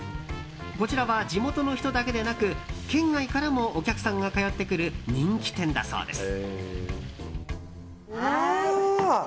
こちらは、地元の人だけでなく県外からもお客さんが通ってくる人気店だそうです。